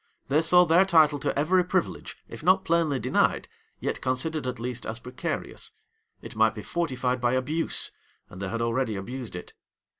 They saw their title to every privilege, if not plainly denied, yet considered at least as precarious. It might be fortified by abuse; and they had already abused it.